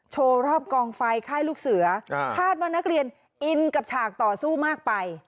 โชว์รอบกองไฟค่ายลูกเสือคาดว่านักเรียนอินกับฉากต่อสู้มากไป